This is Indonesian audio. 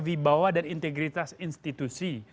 vibawa dan integritas institusi